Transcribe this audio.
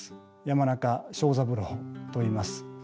山中章三郎といいます。